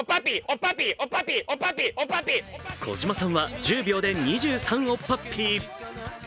小島さんは１０秒で２３おっぱっぴー！。